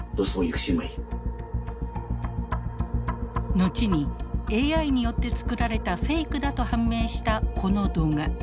後にＡＩによって作られたフェイクだと判明したこの動画。